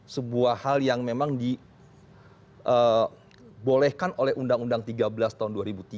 sebuah hal yang memang dibolehkan oleh undang undang tiga belas tahun dua ribu tiga